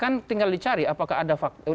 kan tinggal dicari apakah ada faktor